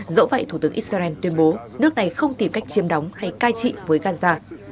dẫu vậy thủ tướng israel tuyên bố nước này không tìm cách chiêm đóng hay cai trị với gaza